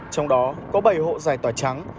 trong đó có bảy hộ dài tòa trắng